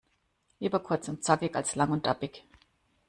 Lieber kurz und zackig als lang und tappig.